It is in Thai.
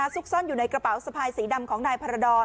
ซุกซ่อนอยู่ในกระเป๋าสะพายสีดำของนายพารดร